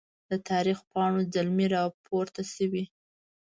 د تاریخ پاڼو زلمي راپورته سوي